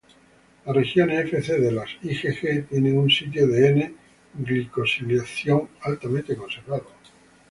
Las regiones Fc de las IgG tienen un sitio de N-glicosilación altamente conservado.